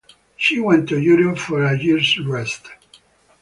She went to Europe for a year's rest.